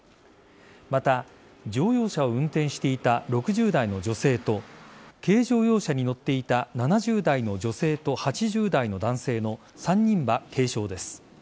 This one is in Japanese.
また、乗用車を運転していた６０代の女性と軽乗用車に乗っていた７０代の女性と８０代の男性の３人は軽傷です。